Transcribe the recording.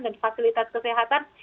dan fasilitas kesehatan